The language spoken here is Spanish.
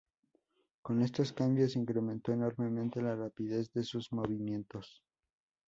Con estos cambios incrementó enormemente la rapidez de sus movimientos.